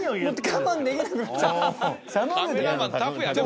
我慢できなくなっちゃう寒くて。